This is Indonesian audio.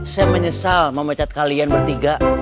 saya menyesal memecat kalian bertiga